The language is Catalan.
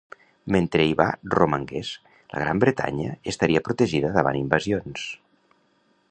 Mentre hi va romangués, la Gran Bretanya estaria protegida davant invasions.